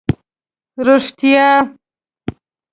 رښتیا.